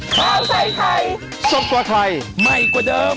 ข้าวใส่ไทยสดกว่าไทยใหม่กว่าเดิม